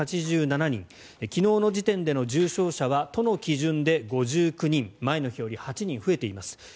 昨日の時点での重症者は都の基準で５９人前の日より８人増えています。